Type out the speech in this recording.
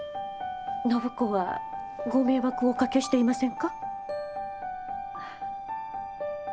暢子はご迷惑をおかけしていませんか？